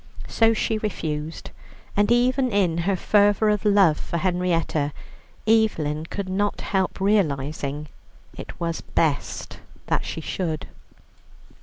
So she refused, and even in her fervour of love for Henrietta, Evelyn could not help realizing it was best that she should.